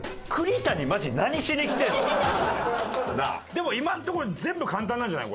でも今のところ全部簡単なんじゃない？